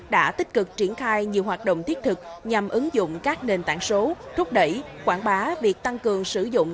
đã tích cực triển khai nhiều hoạt động thiết thực nhằm ứng dụng các nền tảng số rút đẩy quảng bá việc tăng cường sử dụng